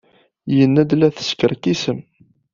Yenna-d la teskerkisem.